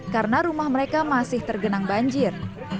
karena rumah mereka masih tergenang banjir